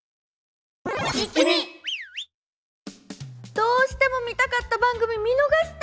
どうしても見たかった番組見逃した！